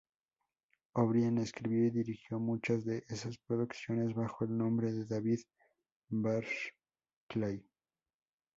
O'Brien escribió y dirigió muchas de esas producciones bajo el nombre de David Barclay.